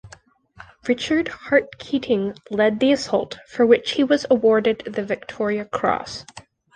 Richard Harte Keatinge led the assault, for which he was awarded the Victoria Cross.